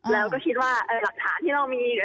แล้วก็คิดว่าหลักฐานที่เรามี